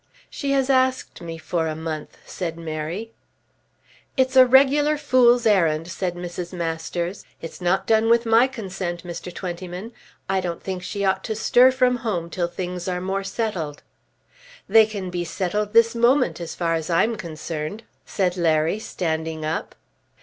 "She has asked me for a month," said Mary. "It's a regular fool's errand," said Mrs. Masters. "It's not done with my consent, Mr. Twentyman. I don't think she ought to stir from home till things are more settled." "They can be settled this moment as far as I am concerned," said Larry standing up.